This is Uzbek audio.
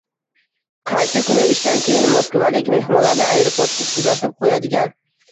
Qaysi kuni ishdan keyin Moskvalik mehmonlarni aeroportga kuzatib qo'yadigan